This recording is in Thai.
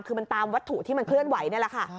คือมันตามวัตถุที่มันเคลื่อนไหวนี่แหละค่ะ